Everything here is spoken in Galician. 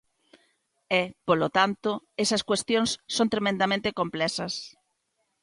E, polo tanto, esas cuestións son tremendamente complexas.